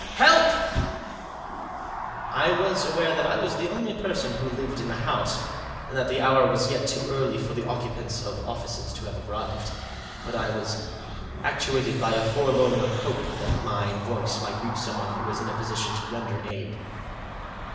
" Help !" I was aware that I was the only person who lived in the house, and that the hour was yet too early for the occupants of offices to have arrived. But I tras actuated by a forlorn hope that my voice might reach someone who was in a position to render aid.